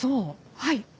はい。